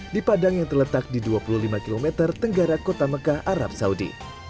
di padang yang terletak di dua puluh lima km tenggara kota mekah arab saudi